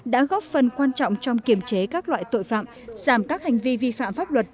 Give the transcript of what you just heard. đã góp phần quan trọng trong kiềm chế các loại tội phạm giảm các hành vi vi phạm pháp luật